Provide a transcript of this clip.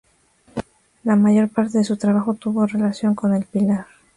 La mayor parte de su trabajo tuvo relación con El Pilar.